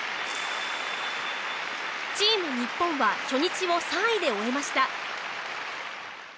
チーム日本は初日を３位で終えました。